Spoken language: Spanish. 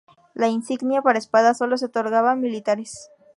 La insignia para espadas solo se otorgaba a militares.